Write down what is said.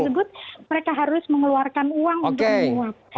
karena untuk mencapai jabatan tersebut mereka harus mengeluarkan uang untuk menguap